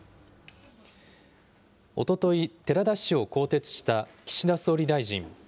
おととい、寺田氏を更迭した岸田総理大臣。